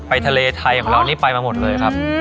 ทะเลไทยของเรานี่ไปมาหมดเลยครับ